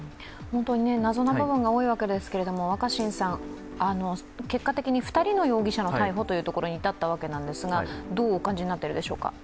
謎の部分が多いわけですけれども結果的に２人の容疑者の逮捕というところに至ったわけなんですが、どうお感じになっているでしょうか。